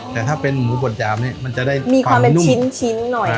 แต่ถ้าเป็นหมูบดยามมันจะได้ความนุ่มมีความเป็นชิ้นหน่อย